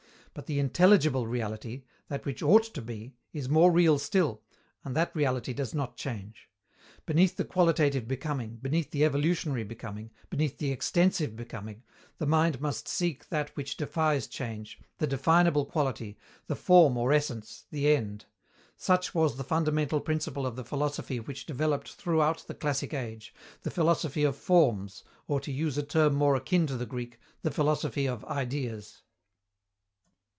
But the intelligible reality, that which ought to be, is more real still, and that reality does not change. Beneath the qualitative becoming, beneath the evolutionary becoming, beneath the extensive becoming, the mind must seek that which defies change, the definable quality, the form or essence, the end. Such was the fundamental principle of the philosophy which developed throughout the classic age, the philosophy of Forms, or, to use a term more akin to the Greek, the philosophy of Ideas.